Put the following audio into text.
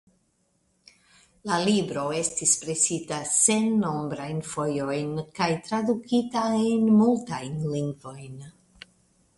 La libro estis presita sennombrajn fojojn kaj tradukita en multajn lingvojn.